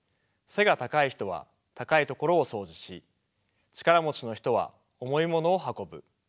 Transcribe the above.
背が高い人は高いところをそうじし力持ちの人は重いものを運ぶ。